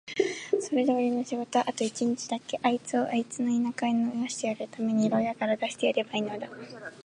それでおれの仕事はあと一日だけ、あいつをあいつの田舎へ逃してやるために牢屋から出してやればいいのだ。